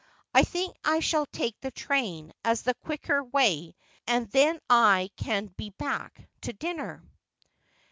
' I think I shall take the train, as the quicker way, and then I can be back to dinner.'